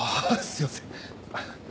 すいません。